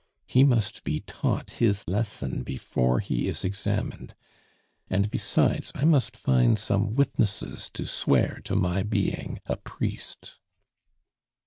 He must be taught his lesson before he is examined. And besides, I must find some witnesses to swear to my being a priest!"